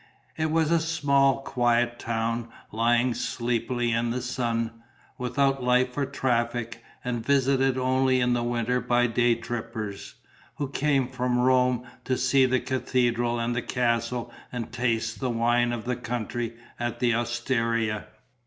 It was a small, quiet town, lying sleepily in the sun, without life or traffic, and visited only in the winter by day trippers, who came from Rome to see the cathedral and the castle and tasted the wine of the country at the osteria.